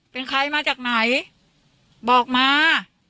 เป็นใครมาจากไหนบอกมา